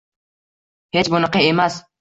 Hech bunaqa emas!